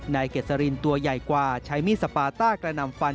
เกษรินตัวใหญ่กว่าใช้มีดสปาต้ากระนำฟัน